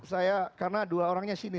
saya karena dua orangnya sini